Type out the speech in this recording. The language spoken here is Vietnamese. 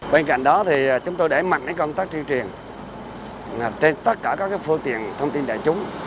bên cạnh đó chúng tôi để mạnh đến công tác truyền truyền trên tất cả các phương tiện thông tin đại chúng